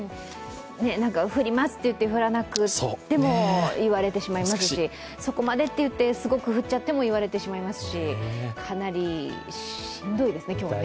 降りますと言って降らなくても言われてしまいますしそこまでって言って、すごく降っちゃっても言われてしまいますしかなりしんどいですね、今日。